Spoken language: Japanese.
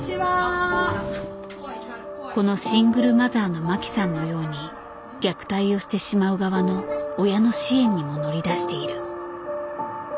このシングルマザーのマキさんのように虐待をしてしまう側の親の支援にも乗り出している。